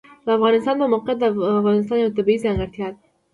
د افغانستان د موقعیت د افغانستان یوه طبیعي ځانګړتیا ده.